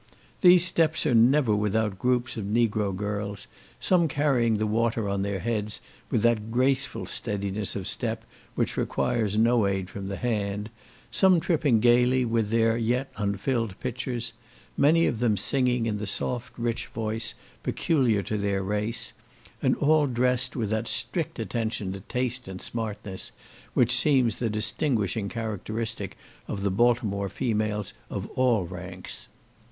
These steps are never without groups of negro girls, some carrying the water on their heads, with that graceful steadiness of step, which requires no aid from the hand; some tripping gaily with their yet unfilled pitchers; many of them singing in the soft rich voice, peculiar to their race; and all dressed with that strict attention to taste and smartness, which seems the distinguishing characteristic of the Baltimore females of all ranks.